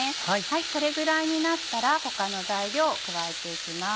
これぐらいになったら他の材料を加えていきます。